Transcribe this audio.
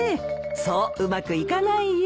そううまくいかないよ。